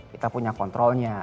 kita punya kontrolnya